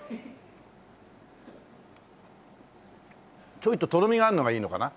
ちょいととろみがあるのがいいのかな？